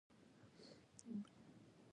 د اسلام د مخنیوي لپاره پدې هیواد کې